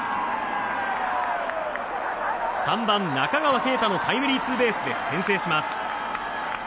３番、中川圭太のタイムリーツーベースで先制します。